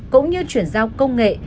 cũng như chuyển giao công nghệ